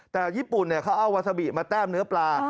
แต่ญี่ปุ่นเขาเอาวาซาบิมาแต้มเนื้อปลา